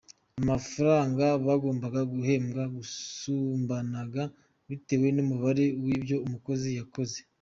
Amafaranga bagombaga guhembwa yasumbanaga bitewe n’umubare w’ibyo umukozi yakoze.